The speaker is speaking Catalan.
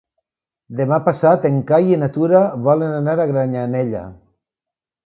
Demà passat en Cai i na Tura volen anar a Granyanella.